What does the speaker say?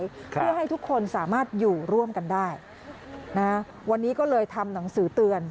เพื่อให้ทุกคนสามารถอยู่ร่วมกันได้นะวันนี้ก็เลยทำหนังสือเตือน